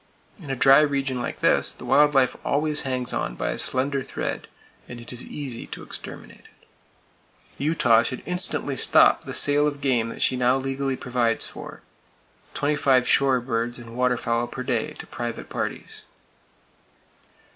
In a dry region like this, the wild life always hangs on by a slender thread, and it is easy to exterminate it! Utah should instantly stop the sale of game that she now legally provides for,—twenty five shore birds and waterfowl per day to private parties!